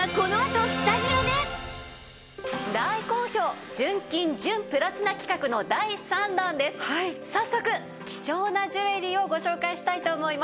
さらに純金と純プラチナの証としてさあ早速希少なジュエリーをご紹介したいと思います。